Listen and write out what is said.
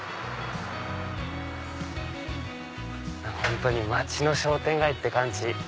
本当に町の商店街って感じ。